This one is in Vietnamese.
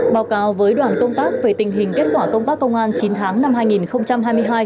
báo cáo với đoàn công tác về tình hình kết quả công tác công an chín tháng năm hai nghìn hai mươi hai